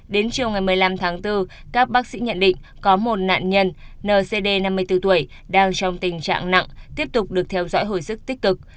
đến chiều ngày một mươi năm tháng bốn các bác sĩ nhận định có một nạn nhân ncd năm mươi bốn tuổi đang trong tình trạng nặng tiếp tục được theo dõi hồi sức tích cực